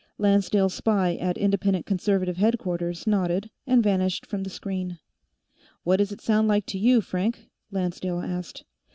Lancedale's spy at Independent Conservative headquarters nodded and vanished from the screen. "What does it sound like to you, Frank?" Lancedale asked.